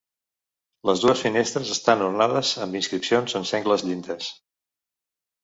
Les dues finestres estan ornades amb inscripcions en sengles llindes.